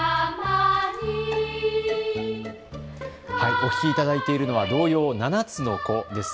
お聞きいただいているのは童謡、七つの子です。